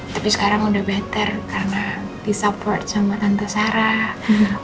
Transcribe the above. tapi sekarang udah better karena disupport sama tante sarah